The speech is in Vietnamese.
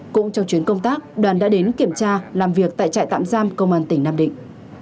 cũng trong chuyến công tác đoàn đã đến kiểm tra làm việc tại trại tạm giam công an tỉnh nam định